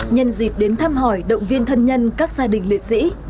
nhân dịp đến thăm hỏi động viên thân nhân các gia đình liệt sĩ